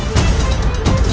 aku tidak mau